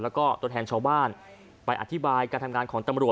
แล้วก็ตัวแทนชาวบ้านไปอธิบายการทำงานของตำรวจ